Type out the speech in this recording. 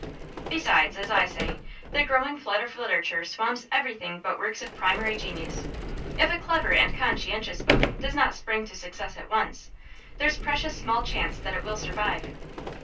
Besides, as I say, the growing flood of literature swamps everything but works of primary genius. If a clever and conscientious book does not spring to success at once, there's precious small chance that it will survive.